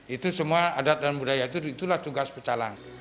itu semua adat dan budaya itu itulah tugas pecalang